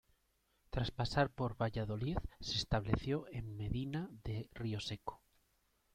Tras pasar por Valladolid se estableció en Medina de Rioseco.